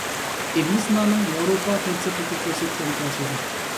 ئىبن سىنانىڭ ياۋروپا پەلسەپىسىگە كۆرسەتكەن تەسىرى.